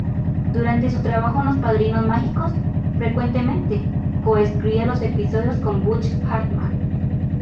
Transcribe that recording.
Durante su trabajo en Los Padrinos Mágicos, frecuentemente, co-escribía los episodios con Butch Hartman.